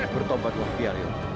bertobat lagi ario